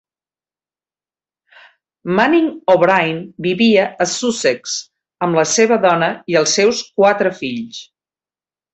Manning O'Brine vivia a Sussex amb la seva dona i els seus quatre fills.